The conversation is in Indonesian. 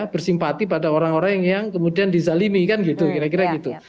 bersimpati pada orang orang yang kemudian dizalimi kan gitu kira kira gitu